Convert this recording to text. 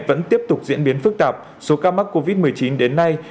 vẫn tiếp tục diễn biến phức tạp số ca mắc covid một mươi chín đến nay